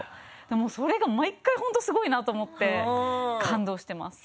それが毎回、本当にすごいなと思って感動しています